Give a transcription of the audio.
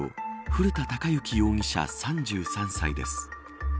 古田貴之容疑者、３３歳です。